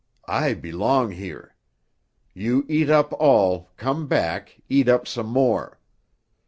I belong here. You eat up all, come back, eat up some more.